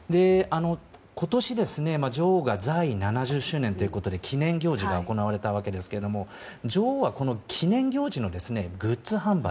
今年、女王が在位７０周年ということで記念行事が行われたわけですが女王は記念行事のグッズ販売